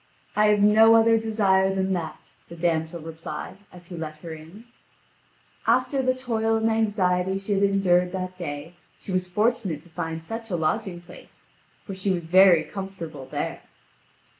"I have no other desire than that," the damsel replied, as he let her in. After the toil and anxiety she had endured that day, she was fortunate to find such a lodging place; for she was very comfortable there.